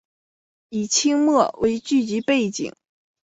以清末为剧集背景。